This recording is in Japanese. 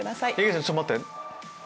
ちょっと待って。